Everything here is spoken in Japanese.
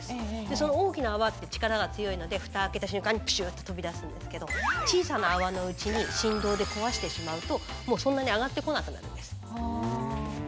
その大きな泡って力が強いのでフタ開けた瞬間にプシュっと飛び出すんですけど小さな泡のうちに振動で壊してしまうともうそんなに上がってこなくなるんです。